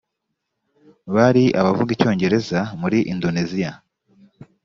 bali abavuga icyongereza muri indoneziya